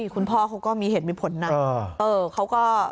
คุณพ่อเขาก็มีเหตุมีผลนะ